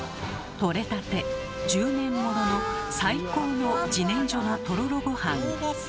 取れたて１０年物の最高の自然薯のとろろごはん。